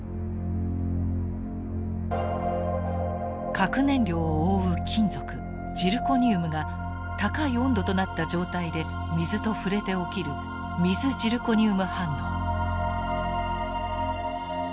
核燃料を覆う金属ジルコ二ウムが高い温度となった状態で水と触れて起きる水ジルコニウム反応。